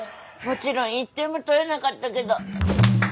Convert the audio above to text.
もちろん１点も取れなかったけど。